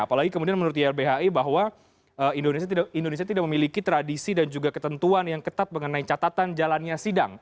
apalagi kemudian menurut ylbhi bahwa indonesia tidak memiliki tradisi dan juga ketentuan yang ketat mengenai catatan jalannya sidang